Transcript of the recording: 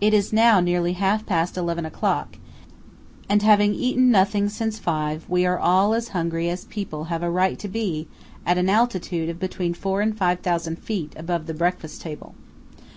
It is now nearly half past eleven o'clock, and, having eaten nothing since five, we are all as hungry as people have a right to be at an altitude of between four and five thousand feet above the breakfast table.